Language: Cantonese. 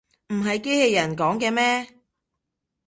唔係機器人講嘅咩